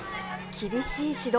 厳しい指導。